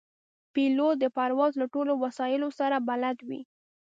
پیلوټ د پرواز له ټولو وسایلو سره بلد وي.